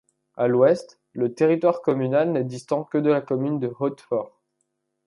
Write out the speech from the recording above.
À l'ouest, le territoire communal n'est distant que de de la commune de Hautefort.